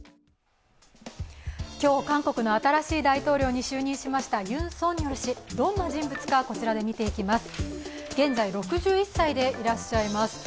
今日、韓国の新しい大統領に就任しましたユン・ソンニョル氏、どんな人物か、こちらで見ていきます。